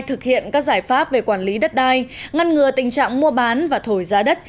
thực hiện các giải pháp về quản lý đất đai ngăn ngừa tình trạng mua bán và thổi giá đất